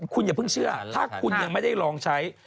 คุณอย่าเพิ่งเชื่อถ้าคุณยังไม่ได้ลองใช้